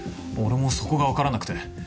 俺もそこが分からなくて。